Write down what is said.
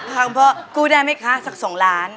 คุณพ่อกูได้ไหมคะสักสองล้าน